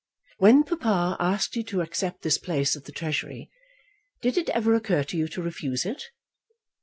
When papa asked you to accept this place at the Treasury, did it ever occur to you to refuse it?"